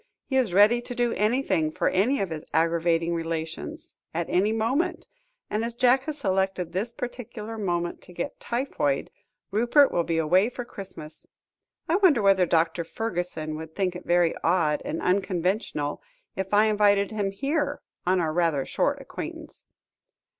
He is ready to do any thing for any of his aggravating relations, at any moment, and as Jack has selected this particular moment to get typhoid, Rupert will be away for Christmas. I wonder whether Dr. Fergusson would think it very odd and unconventional, if I invited him here, on our rather short acquaintance?"